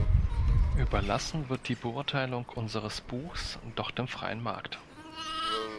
Überlassen wird die Beurteilung unseres Buchs doch dem freien Markt.